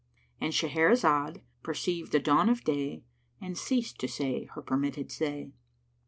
—And Shahrazad perceived the dawn of day and ceased to say her permitted say.